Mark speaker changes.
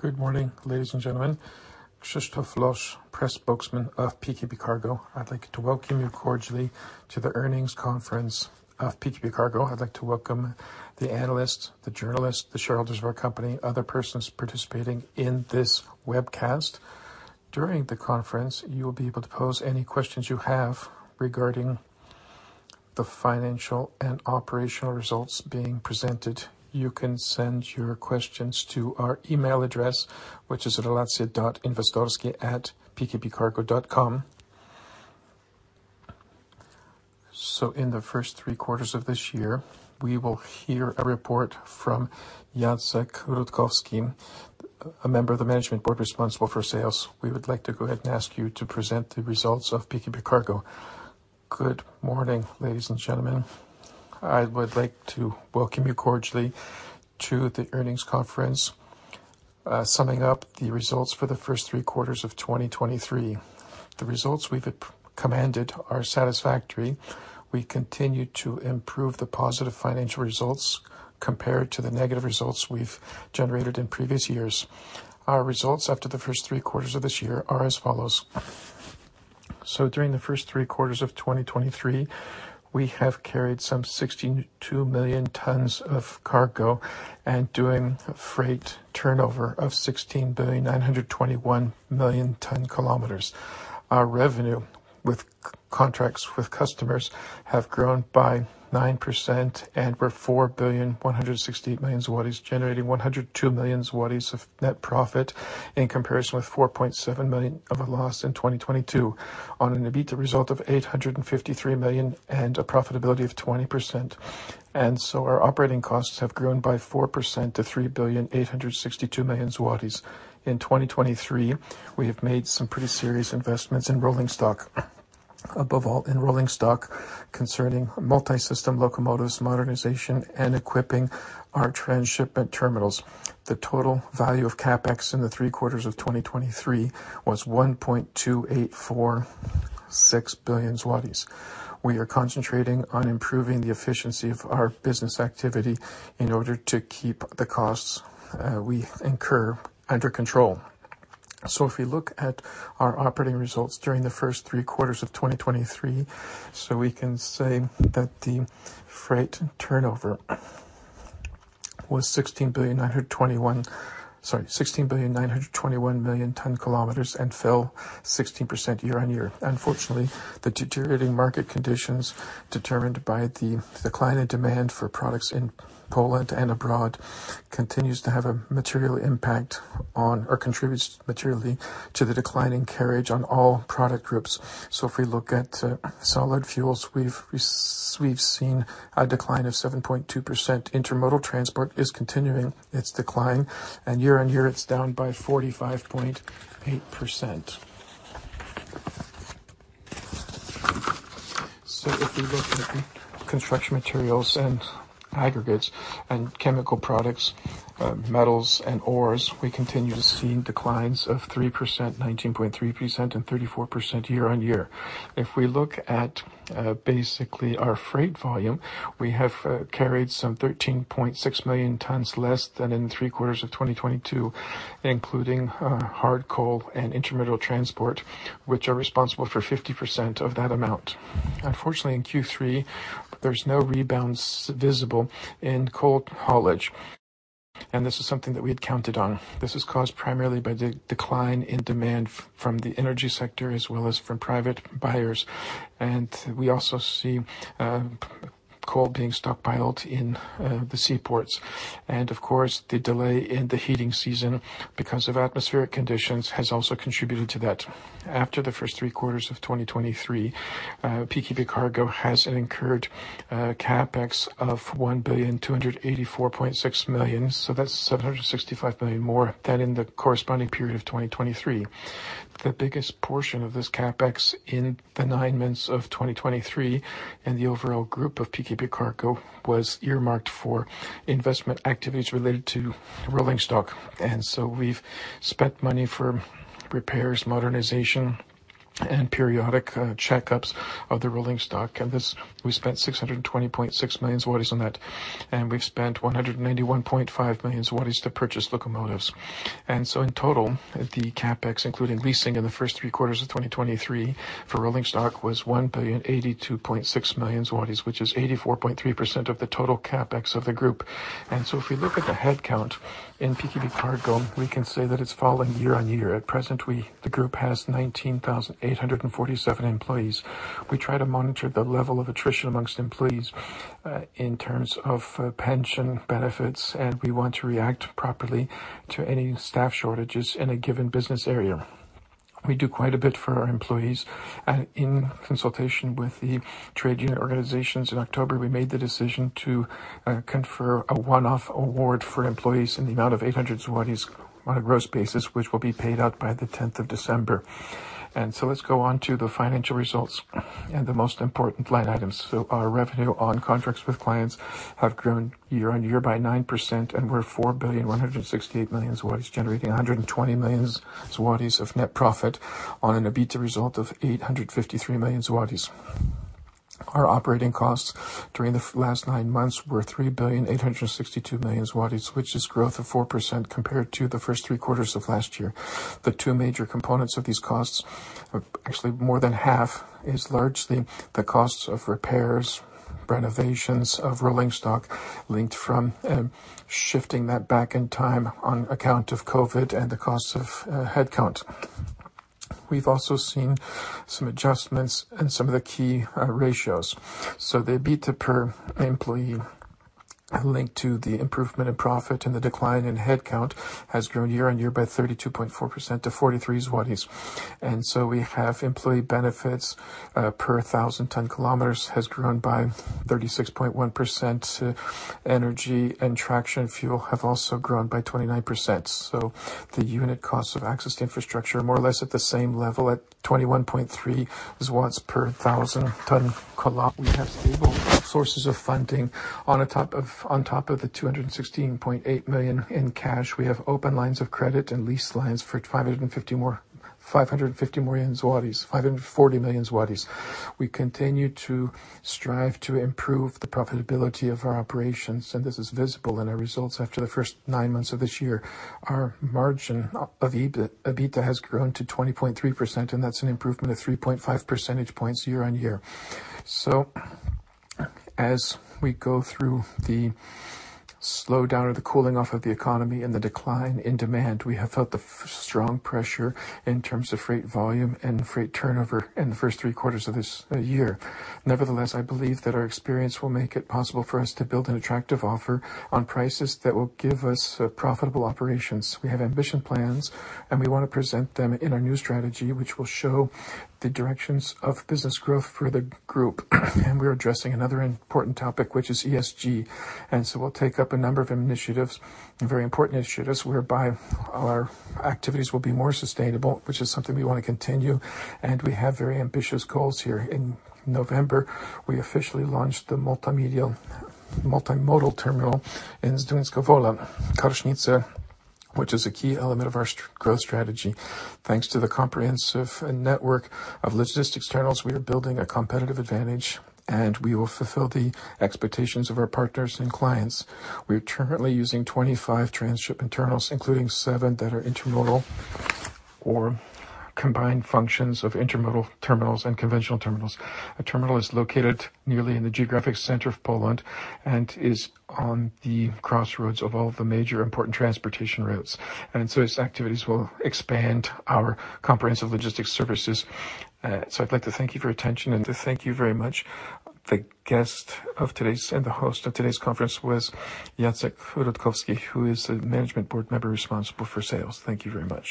Speaker 1: Good morning, ladies and gentlemen. Krzysztof Losz, press spokesman of PKP CARGO. I'd like to welcome you cordially to the earnings conference of PKP CARGO. I'd like to welcome the analysts, the journalists, the shareholders of our company, other persons participating in this webcast. During the conference, you will be able to pose any questions you have regarding the financial and operational results being presented. You can send your questions to our email address, which is relacje.inwestorskie@pkpcargo.com. So in the first three quarters of this year, we will hear a report from Jacek Rutkowski, a member of the management board responsible for sales. We would like to go ahead and ask you to present the results of PKP CARGO. Good morning, ladies and gentlemen. I would like to welcome you cordially to the earnings conference, summing up the results for the first three quarters of 2023. The results we've commanded are satisfactory. We continue to improve the positive financial results compared to the negative results we've generated in previous years. Our results after the first three quarters of this year are as follows: During the first three quarters of 2023, we have carried some 62 million tons of cargo and doing a freight turnover of 16.921 billion ton-kilometers. Our revenue with contracts with customers have grown by 9% and were 4.168 billion, generating 102 million zlotys of net profit, in comparison with 4.7 million of a loss in 2022 on an EBITDA result of 853 million and a profitability of 20%. So our operating costs have grown by 4% to 3.862 billion zlotys. In 2023, we have made some pretty serious investments in rolling stock, above all, in rolling stock concerning multi-system locomotives, modernization and equipping our transshipment terminals. The total value of CapEx in the three quarters of 2023 was 1.2846 billion zlotys. We are concentrating on improving the efficiency of our business activity in order to keep the costs we incur under control. So if we look at our operating results during the first three quarters of 2023, so we can say that the freight turnover was 16.921 billion ton kilometers and fell 16% year-on-year. Unfortunately, the deteriorating market conditions, determined by the decline in demand for products in Poland and abroad, continues to have a material impact on or contributes materially to the declining carriage on all product groups. So if we look at solid fuels, we've seen a decline of 7.2%. Intermodal transport is continuing its decline, and year-on-year, it's down by 45.8%. So if we look at the construction materials and aggregates and chemical products, metals and ores, we continue to see declines of 3%, 19.3% and 34% year-on-year. If we look at basically our freight volume, we have carried some 13.6 million tons less than in three quarters of 2022, including hard coal and intermodal transport, which are responsible for 50% of that amount. Unfortunately, in Q3, there's no rebounds visible in coal haulage, and this is something that we had counted on. This is caused primarily by the decline in demand from the energy sector as well as from private buyers. We also see coal being stockpiled in the seaports. Of course, the delay in the heating season, because of atmospheric conditions, has also contributed to that. After the first three quarters of 2023, PKP CARGO has incurred CapEx of 1,284.6 million, so that's 765 million more than in the corresponding period of 2023. The biggest portion of this CapEx in the nine months of 2023 and the overall group of PKP CARGO was earmarked for investment activities related to rolling stock. And so we've spent money for repairs, modernization, and periodic checkups of the rolling stock. And this, we spent 620.6 million zlotys on that, and we've spent 191.5 million zlotys to purchase locomotives. And so in total, the CapEx, including leasing in the first three quarters of 2023 for rolling stock, was 1,082.6 million zlotys, which is 84.3% of the total CapEx of the group. And so if we look at the headcount in PKP CARGO, we can say that it's falling year-on-year. At present, the group has 19,847 employees. We try to monitor the level of attrition among employees in terms of pension benefits, and we want to react properly to any staff shortages in a given business area. We do quite a bit for our employees, and in consultation with the trade union organizations in October, we made the decision to confer a one-off award for employees in the amount of 800 on a gross basis, which will be paid out by the 10th of December. And so let's go on to the financial results and the most important line items. So our revenue on contracts with clients have grown year-over-year by 9% and were 4.168 billion, generating 102 million zlotys of net profit on an EBITDA result of 853 million zlotys. Our operating costs during the last nine months were 3.862 billion, which is growth of 4% compared to the first three quarters of last year. The two major components of these costs are actually more than half, is largely the costs of repairs, renovations of rolling stock linked from, shifting that back in time on account of COVID and the cost of headcount. We've also seen some adjustments in some of the key ratios. So the EBITDA per employee, linked to the improvement in profit and the decline in headcount, has grown year-on-year by 32.4% to 43 zlotys. And so we have employee benefits per thousand ton kilometers, has grown by 36.1%. Energy and traction fuel have also grown by 29%. So the unit cost of access to infrastructure are more or less at the same level, at 21.3 per thousand ton kilometers. We have stable sources of funding. On top of the 216.8 million in cash, we have open lines of credit and lease lines for 550 million more in 550 million zlotys more in złoty, PLN 540 million. We continue to strive to improve the profitability of our operations, and this is visible in our results after the first nine months of this year. Our margin of EBITDA has grown to 20.3%, and that's an improvement of 3.5 percentage points year-on-year. So as we go through the slowdown or the cooling off of the economy and the decline in demand, we have felt the strong pressure in terms of freight volume and freight turnover in the first three quarters of this year. Nevertheless, I believe that our experience will make it possible for us to build an attractive offer on prices that will give us profitable operations. We have ambitious plans, and we want to present them in our new strategy, which will show the directions of business growth for the group. We're addressing another important topic, which is ESG. So we'll take up a number of initiatives and very important initiatives, whereby our activities will be more sustainable, which is something we want to continue, and we have very ambitious goals here. In November, we officially launched the Multimodal Terminal in Zduńska Wola, Karsznice, which is a key element of our growth strategy. Thanks to the comprehensive network of logistics terminals, we are building a competitive advantage, and we will fulfill the expectations of our partners and clients. We are currently using 25 transshipment terminals, including seven that are intermodal or combined functions of intermodal terminals and conventional terminals. Our terminal is located nearly in the geographic center of Poland and is on the crossroads of all the major important transportation routes, and so its activities will expand our comprehensive logistics services. So I'd like to thank you for your attention and to thank you very much. The guest of today's and the host of today's conference was Jacek Rutkowski, who is a management board member responsible for sales. Thank you very much.